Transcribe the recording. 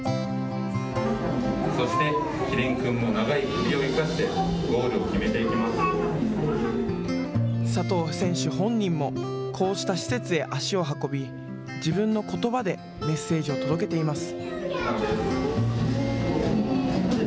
そしてキリン君も長い首を生かして、佐藤選手本人もこうした施設へ足を運び自分のことばでメッセージを届けています。